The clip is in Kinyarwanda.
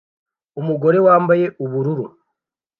umugore wambaye ubururu